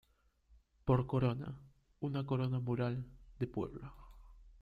Por corona, una corona mural de pueblo.